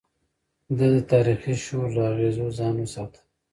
ده د تاريخي شور له اغېزو ځان وساته.